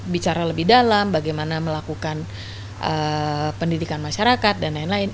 bicara lebih dalam bagaimana melakukan pendidikan masyarakat dan lain lain